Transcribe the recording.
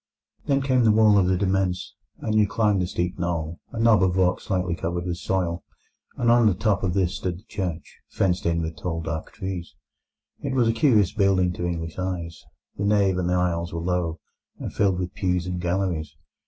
Then came the wall of the demesne, and you climbed a steep knoll—a knob of rock lightly covered with soil—and on the top of this stood the church, fenced in with tall dark trees. It was a curious building to English eyes. The nave and aisles were low, and filled with pews and galleries.